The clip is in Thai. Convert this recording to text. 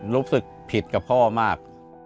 รู้สึกผิดกับพ่อมาก